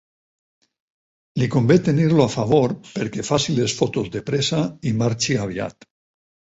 Li convé tenir-lo a favor perquè faci les fotos de pressa i marxi aviat.